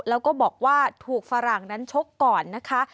แล้วก็บอกว่าถูกฝรั่งนั้นชกก่อนนะคะ